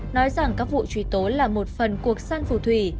nói rằng các vụ truy tố là một phần cuộc săn phù thủy